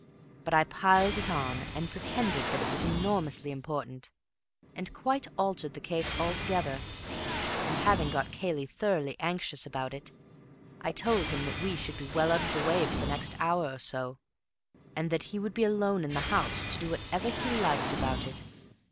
But I piled it on, and pretended that it was enormously important, and quite altered the case altogether, and having got Cayley thoroughly anxious about it, I told him that we should be well out of the way for the next hour or so, and that he would be alone in the house to do what he liked about it.